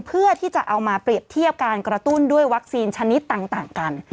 เพื่อที่จะเอามาเปรียบเทียบการกระตุ้นด้วยวัคซีนชนิดต่างกัน